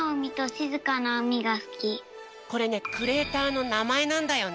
これねクレーターのなまえなんだよね。